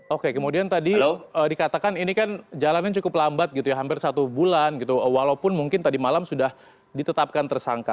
oke kemudian tadi dikatakan ini kan jalanan cukup lambat hampir satu bulan walaupun mungkin tadi malam sudah ditetapkan tersangka